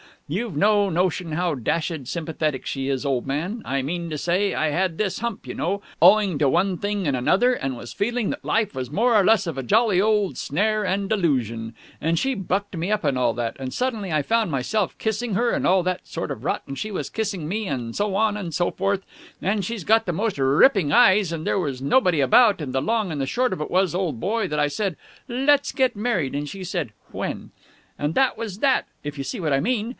You've no notion how dashed sympathetic she is, old man! I mean to say, I had this hump, you know, owing to one thing and another, and was feeling that life was more or less of a jolly old snare and delusion, and she bucked me up and all that, and suddenly I found myself kissing her and all that sort of rot, and she was kissing me and so on and so forth, and she's got the most ripping eyes, and there was nobody about, and the long and the short of it was, old boy, that I said, 'Let's get married!' and she said, 'When?' and that was that, if you see what I mean.